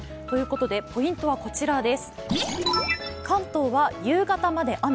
ポイントはこちらです。